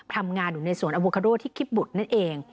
ทำงานอยู่ในสวนอโวคาโดที่คิปบุตรนั่นเอง